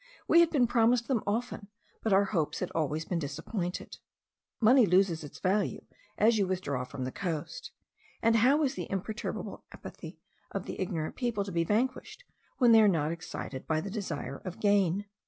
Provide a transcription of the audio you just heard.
We had been promised them often, but our hopes had always been disappointed. Money loses its value as you withdraw from the coast; and how is the imperturbable apathy of the ignorant people to be vanquished, when they are not excited by the desire of gain?